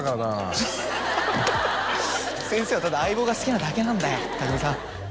先生はただ『相棒』が好きなだけなんだよ工さん。